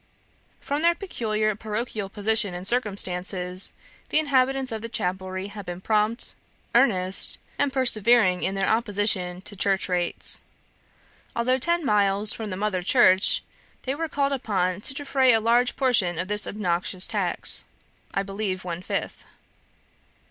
"From their peculiar parochial position and circumstances, the inhabitants of the chapelry have been prompt, earnest, and persevering in their opposition to church rates. Although ten miles from the mother church, they were called upon to defray a large proportion of this obnoxious tax, I believe one fifth.